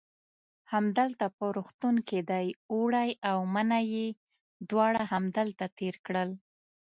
همدلته په روغتون کې دی، اوړی او منی یې دواړه همدلته تېر کړل.